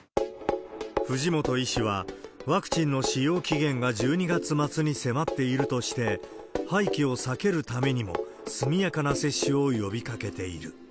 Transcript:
藤本医師は、ワクチンの使用期限が１２月末に迫っているとして、廃棄を避けるためにも、速やかな接種を呼びかけている。